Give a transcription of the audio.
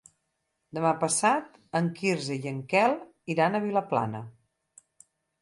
Demà passat en Quirze i en Quel iran a Vilaplana.